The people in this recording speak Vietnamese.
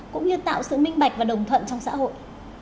cũng như tạo sự minh bạch và đồng thuận trong xã hội